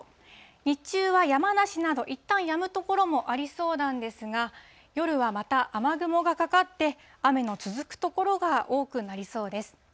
日中は山梨など、いったんやむ所もありそうなんですが、夜はまた雨雲がかかって、雨の続く所が多くなりそうです。